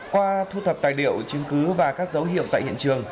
qua thu thập tài liệu chứng cứ và các dấu hiệu tại hiện trường